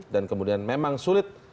dan kemudian memang sulit